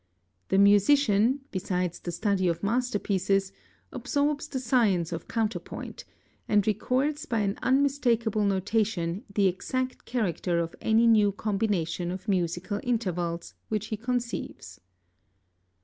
The musician, besides the study of masterpieces, absorbs the science of counterpoint, and records by an unmistakable notation the exact character of any new combination of musical intervals which he conceives.